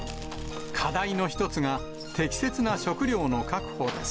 課題の一つが適切な食料の確保です。